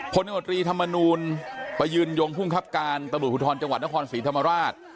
พลโนตรีธรรมนูลประยืนยงภูมิครับการตำรวจภูทรจังหวัดนครศรีธรรมราช